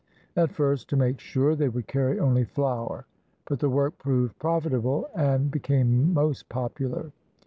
At first, to make sure, they would carry only flour, but the work proved profitable and became most popular.